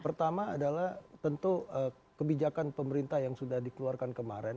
pertama adalah tentu kebijakan pemerintah yang sudah dikeluarkan kemarin